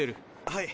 はい。